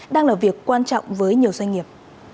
đang là việc quan trọng với nhiều doanh nghiệp